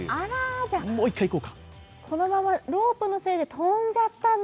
じゃあこのままロープのせいで飛んじゃったんだ。